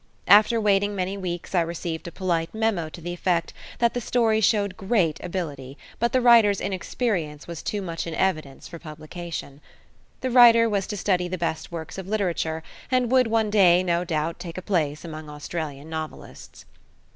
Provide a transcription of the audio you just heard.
After waiting many weeks I received a polite memo to the effect that the story showed great ability, but the writer's inexperience was too much in evidence for publication. The writer was to study the best works of literature, and would one day, no doubt, take a place among Australian novelists.